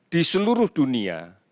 di seluruh dunia